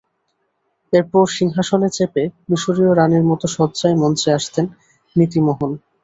এরপর সিংহাসনে চেপে মিশরীয় রাণীর মতো সজ্জায় মঞ্চে আসেন নীতি মোহন।